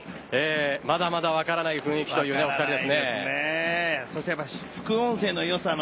まだまだ分からない雰囲気という副音声の良さ。